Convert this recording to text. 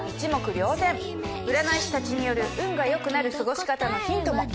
占い師たちによる運が良くなる過ごし方のヒントも！